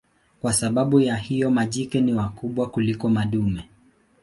Kwa sababu ya hiyo majike ni wakubwa kuliko madume.